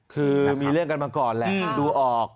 คือมีเรื่องกันมาก่อนแหละมันดูออก